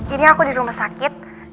ini aku di rumah sakit